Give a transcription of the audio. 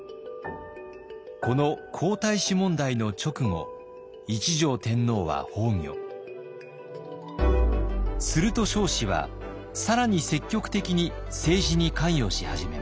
この皇太子問題の直後すると彰子は更に積極的に政治に関与し始めます。